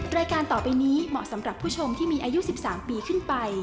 รายการต่อไปนี้เหมาะสำหรับผู้ชมที่มีอายุ๑๓ปีขึ้นไป